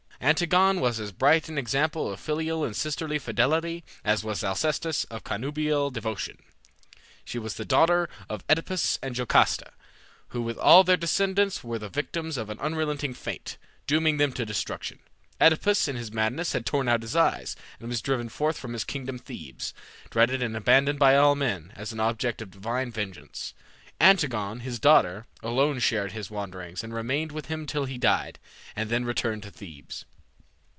Antigone was as bright an example of filial and sisterly fidelity as was Alcestis of connubial devotion. She was the daughter of Oedipus and Jocasta, who with all their descendants were the victims of an unrelenting fate, dooming them to destruction. OEdipus in his madness had torn out his eyes, and was driven forth from his kingdom Thebes, dreaded and abandoned by all men, as an object of divine vengeance. Antigone, his daughter, alone shared his wanderings and remained with him till he died, and then returned to Thebes.